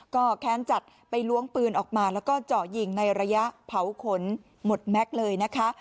ก็แค้นจัดไปล้วงปืนออกมาแล้วก็เจาะยิงในระยะเผาขนหมดแม็กซ์เลยนะคะ